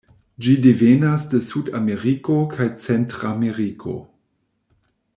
Ĝi devenas de sudameriko kaj centrameriko.